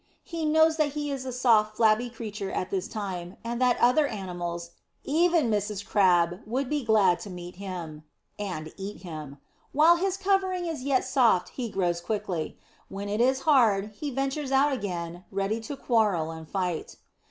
He knows that he is a soft, flabby creature at this time, and that other animals, even Mrs. Crab, would be glad to meet him and eat him. While his covering is yet soft he grows quickly. When it is hard, he ventures out again, ready to quarrel and fight.